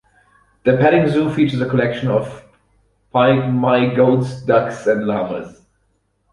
The petting zoo features a collection of pygmy goats, ducks, and llamas.